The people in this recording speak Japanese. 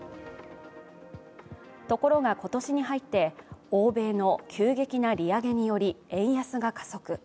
ところが今年に入って、欧米の急激な利上げにより円安が加速。